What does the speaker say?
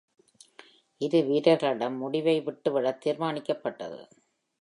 இரு வீரர்களிடம் முடிவை விட்டுவிட தீர்மானிக்கப்பட்டது.